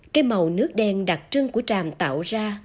cây màu nước đen đặc trưng của tràm tạo ra